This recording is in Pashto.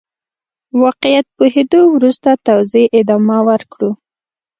واقعيت پوهېدو وروسته توزيع ادامه ورکړو.